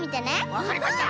わかりました。